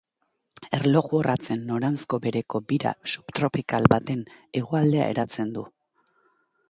Erloju-orratzen noranzko bereko bira subtropikal baten hegoaldea eratzen du.